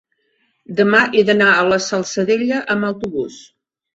Demà he d'anar a la Salzadella amb autobús.